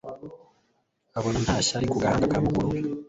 abona nta ishyari, ku gahanga ka mukuru we